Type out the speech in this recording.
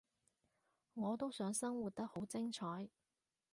我都想生活得好精彩